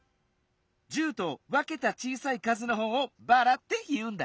１０とわけたちいさいかずのほうを「ばら」っていうんだ。